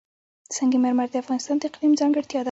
سنگ مرمر د افغانستان د اقلیم ځانګړتیا ده.